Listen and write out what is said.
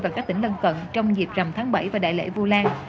và các tỉnh lân cận trong dịp rầm tháng bảy và đại lễ vua lan